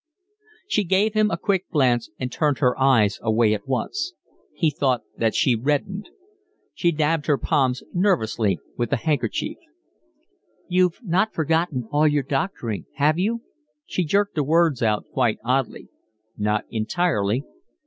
She gave him a quick glance and turned her eyes away at once. He thought that she reddened. She dabbed her palms nervously with the handkerchief. "You've not forgotten all your doctoring, have you?" She jerked the words out quite oddly. "Not entirely."